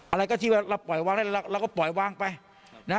อะไรก็ที่ว่าเราปล่อยวางได้เราก็ปล่อยวางไปนะ